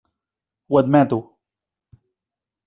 Ho admeto.